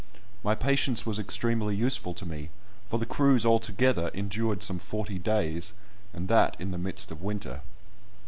My patience was extremely useful to me, for the cruise altogether endured some forty days, and that in the midst of winter.